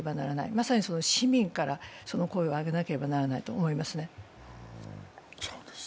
まさに市民から、その声を上げなければならないと思いますね。